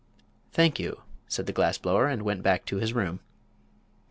"Thank you," said the glass blower, and went back to his room.